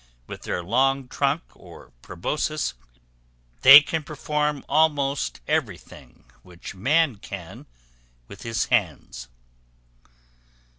With their long trunk, or proboscis, they can perform almost everything which man can with his hands.